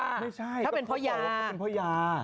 ไม่ใช่เขาเป็นเพราะยา